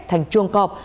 thành chuồng cọp